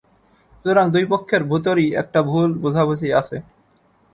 সুতরাং দুই পক্ষের ভিতরই একটা ভুল বোঝাবুঝি আছে।